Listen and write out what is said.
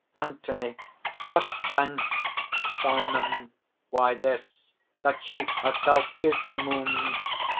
ANTHONY. "What then?..." SIMON. "Why this, that she herself is the Moon!